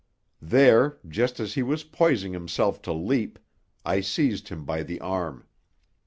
There, just as he was poising himself to leap, I seized him by the arm.